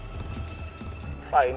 seolah dia tidak pernah percaya